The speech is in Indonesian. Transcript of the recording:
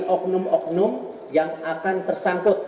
oknum oknum yang akan tersangkut